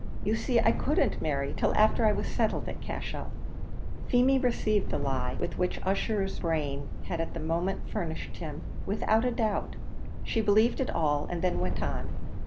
You see I couldn't marry till after I was settled at Cashel." Feemy received the lie with which Ussher's brain had at the moment furnished him, without a doubt; she believed it all, and then went on.